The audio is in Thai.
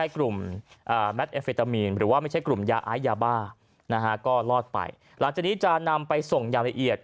กลุ่มยาอ้ายยาบ้านะฮะก็รอดไปหลังจากนี้จะนำไปส่งอย่างละเอียด